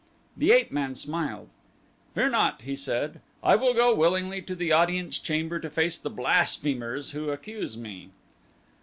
The ape man smiled. "Fear not," he said, "I will go willingly to the audience chamber to face the blasphemers who accuse me."